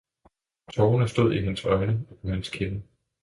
tårerne stod i hans øjne og på hans kinder.